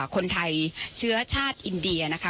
คนไทยเชื้อชาติอินเดียนะคะ